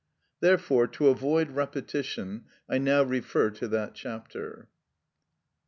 Therefore, to avoid repetition, I now refer to that chapter.